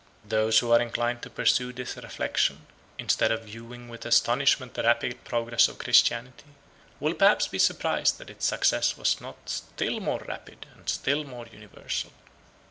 Those who are inclined to pursue this reflection, instead of viewing with astonishment the rapid progress of Christianity, will perhaps be surprised that its success was not still more rapid and still more universal.